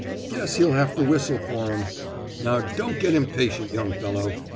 Guess he'll have to whistle for 'em. Now don't get impatient, young fellow.